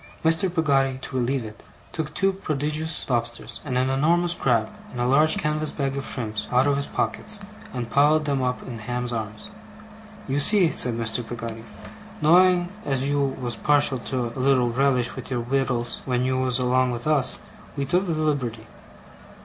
Mr. Peggotty, to relieve it, took two prodigious lobsters, and an enormous crab, and a large canvas bag of shrimps, out of his pockets, and piled them up in Ham's arms. 'You see,' said Mr. Peggotty, 'knowing as you was partial to a little relish with your wittles when you was along with us, we took the liberty.